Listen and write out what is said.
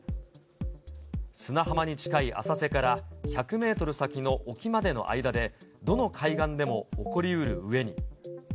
砂浜に近い浅瀬から１００メートル先の沖までの間で、どの海岸でも起こりうるうえに。